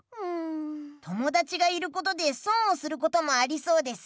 友だちがいることで損をすることもありそうです。